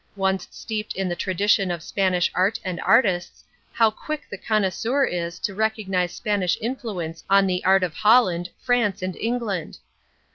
Once steeped in the tradition of Spanish art and artists, how quick the connoisseur is to recognize Spanish influence on the art of Holland, France and England.